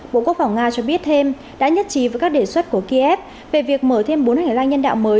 bộ quốc phòng nga cho biết thêm đã nhất trí với các đề xuất của kiev về việc mở thêm bốn hành lang nhân đạo mới